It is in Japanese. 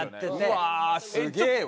うわすげえわ。